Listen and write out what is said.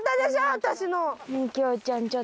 私の！